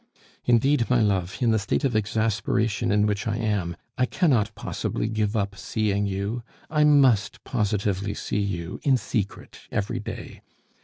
Indeed, my love, in the state of exasperation in which I am, I cannot possibly give up seeing you. I must positively see you, in secret, every day!